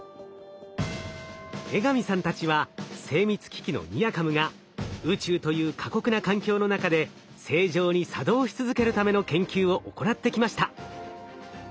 江上さんたちは精密機器のＮＩＲＣａｍが宇宙という過酷な環境の中で正常に作動し続けるための研究を行ってきました。